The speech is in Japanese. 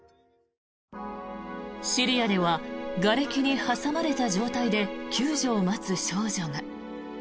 シリアではがれきに挟まれた状態で救助を待つ少女が。